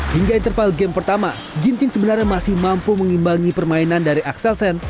hingga interval game pertama ginting sebenarnya masih mampu mengimbangi permainan dari axelsen